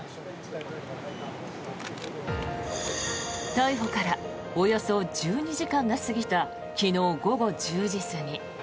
逮捕からおよそ１２時間が過ぎた昨日午後１０時過ぎ。